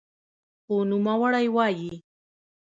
خو نوموړی وايي